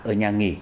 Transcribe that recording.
ở nhà nghỉ